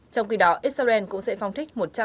trong khi đó israel cũng sẽ phong thích một trăm linh